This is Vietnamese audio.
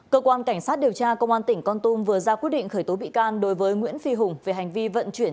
cơ quan cảnh sát điều tra công an tỉnh con tum vừa ra quyết định khởi tố bị can đối với nguyễn phi hùng về hành vi vận chuyển